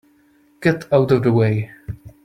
Get out of the way!